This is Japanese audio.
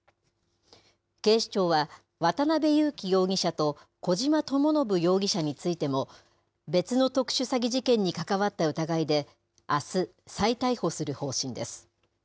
警視庁は、渡邉優樹容疑者と小島智信容疑者についても、別の特殊詐欺事件に関わった疑いで、あす、再逮捕する方針です。